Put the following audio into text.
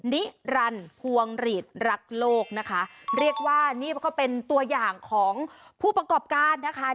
นิรันดิ์พวงหลีดรักโลกนะคะเรียกว่านี่ก็เป็นตัวอย่างของผู้ประกอบการนะคะ